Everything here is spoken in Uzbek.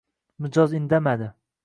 Mijoz indamadi